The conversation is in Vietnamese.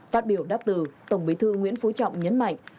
phát biểu đáp từ tổng bí thư nguyễn phú trọng nhấn mạnh